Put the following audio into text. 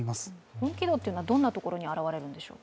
本気度というのはどんなところに表れるんでしょう？